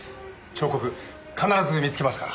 彫刻必ず見つけますから。